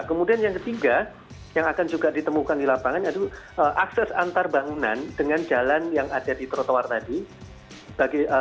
kemudian yang ketiga yang akan juga ditemukan di lapangan yaitu akses antar bangunan dengan jalan yang ada di trotoar tadi